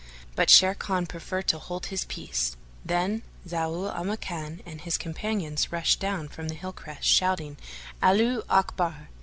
But Sharrkan preferred to hold his peace. Then Zau al Makan and his companions rushed down from the hill crest, shouting, "Allaho Akbar!"